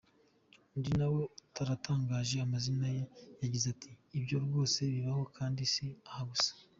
Undi nawe utaratangaje amazina ye, yagize ati "Ibyo rwose bibaho kandi si aha gusa.